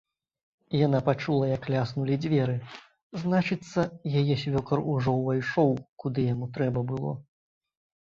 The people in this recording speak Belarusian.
Яна пачула, як ляснулі дзверы, значыцца, яе свёкар ужо ўвайшоў, куды яму трэба было.